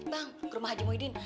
bang ke rumah haji muhidin